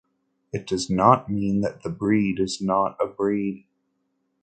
It does not mean that the breed is not a breed.